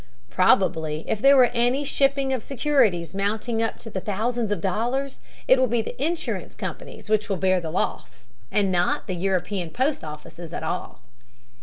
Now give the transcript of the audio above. "Probably if there were any shipping of securities mounting up to thousands of dollars, it will be the insurance companies which will bear the loss, and not the European post offices at all."